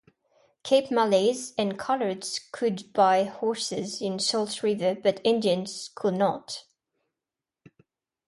Cape Malays and "coloureds" could buy houses in Salt River but Indians could not.